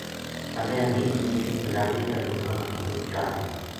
اگے حنیف نے بلادری کا لوکاں نا خبر چا دِتی تھی